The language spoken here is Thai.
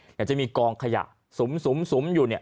เดี๋ยวจะมีกองขยะสุมอยู่เนี่ย